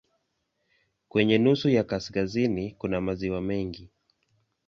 Kwenye nusu ya kaskazini kuna maziwa mengi.